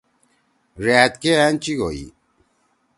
ڙأت کے أنچِک ہوئی۔